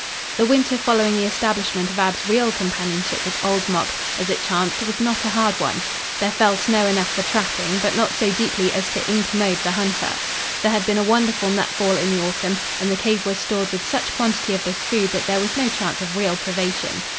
The winter following the establishment of Ab's real companionship with Old Mok, as it chanced, was not a hard one. There fell snow enough for tracking, but not so deeply as to incommode the hunter. There had been a wonderful nut fall in the autumn and the cave was stored with such quantity of this food that there was no chance of real privation.